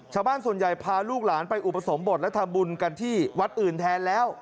ชาวบ้านส่วนใหญ่พาลูกหลานไปอุปสมบทและทำบุญกันที่วัดอื่นแทนแล้ว